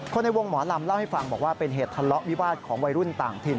ในวงหมอลำเล่าให้ฟังบอกว่าเป็นเหตุทะเลาะวิวาสของวัยรุ่นต่างถิ่น